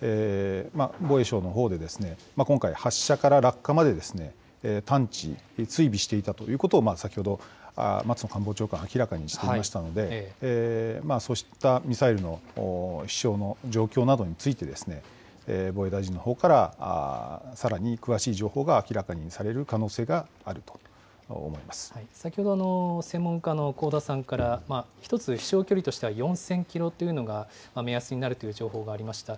防衛省のほうで今回、発射から落下まで探知、追尾していたということを先ほど、松野官房長官明らかにしていましたので、そうしたミサイルの飛しょうの状況などについて、防衛大臣のほうからさらに詳しい情報が明らかにされる可能性があ先ほど、専門家の香田さんから一つ、飛しょう距離としては４０００キロというのが目安になるという情報がありました。